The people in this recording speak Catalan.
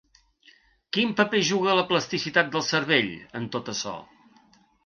Quin paper juga la plasticitat del cervell en tot açò?